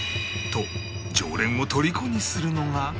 と常連を虜にするのが